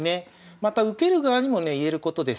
また受ける側にもねいえることです。